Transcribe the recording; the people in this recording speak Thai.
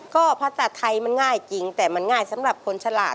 ก็ภาษาไทยมันง่ายจริงแต่มันง่ายสำหรับคนฉลาด